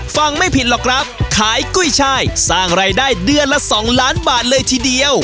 ฟังไม่ผิดหรอกครับขายกุ้ยช่ายสร้างรายได้เดือนละสองล้านบาทเลยทีเดียว